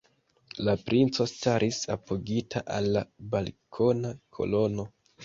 La princo staris apogita al la balkona kolono.